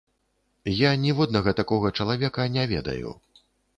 Я ніводнага такога чалавека не ведаю.